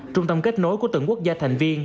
trung tâm kết nối của từng quốc gia thành viên